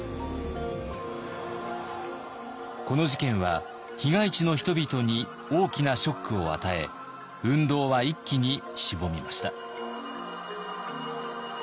この事件は被害地の人々に大きなショックを与え運動は一気にしぼみました。